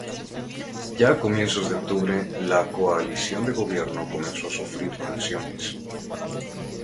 Ya a comienzos de octubre, la coalición de gobierno comenzó a sufrir tensiones.